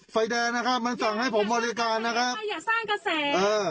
ไฟแดงนะครับมันสั่งให้ผมบริการนะครับก็อย่าสร้างกระแสเออ